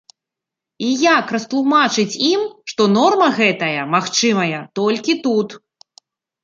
І як растлумачыць ім, што норма гэтая магчымая толькі тут?